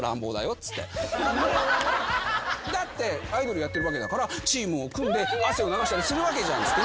だってアイドルやってるわけだからチームを組んで汗を流したりするわけじゃんって。